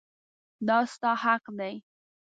دا ستا حق دی.